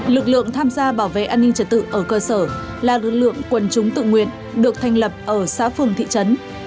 lực lượng tham gia bảo vệ an ninh trật tự ở cơ sở là lực lượng quân chúng tự nguyện được thành lập ở xã phường thị trấn